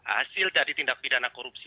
hasil dari tindak pidana korupsi